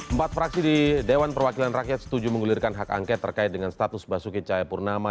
empat fraksi di dewan perwakilan rakyat setuju menggulirkan hak angket terkait dengan status basuki cahayapurnama